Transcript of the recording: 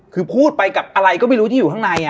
คือพูดไปกับอะไรก็ไม่รู้ที่อยู่ข้างใน